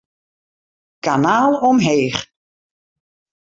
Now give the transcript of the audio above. Kanaal omheech.